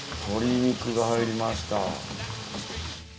鶏肉が入りました。